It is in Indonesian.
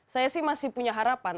saya sih masih punya harapan